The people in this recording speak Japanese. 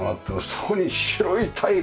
そこに白いタイル。